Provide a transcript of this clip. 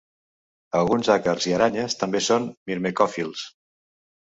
Alguns àcars i aranyes també són mirmecòfils.